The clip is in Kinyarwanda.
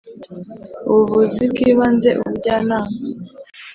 ubuvuzi bw ibanze ubujyanama